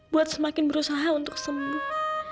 buat semakin berusaha untuk sembuh